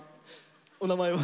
お名前は？